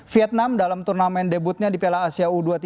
vietnam dalam turnamen debutnya di piala asia u dua puluh tiga